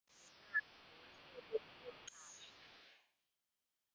臺大卓越研究大樓